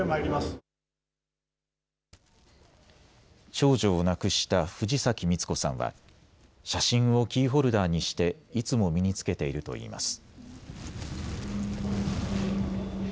長女を亡くした藤崎光子さんは写真をキーホルダーにしていつも身につけているといいます。